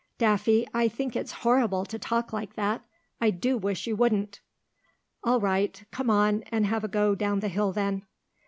"Daffy, I think it's horrible to talk like that. I do wish you wouldn't." "All right. Come on and have a go down the hill, then."